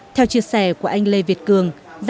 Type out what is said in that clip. theo chia sẻ của anh lê việt cường